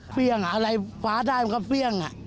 เปี้ยงอะไรฟ้าด้ายมันก็เปี้ยง